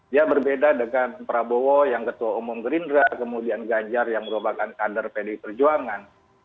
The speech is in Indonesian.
dia berbeda dengan prabowo yang ketua umum gerindra kemudian ganjar yang merupakan kader pdi perjuangan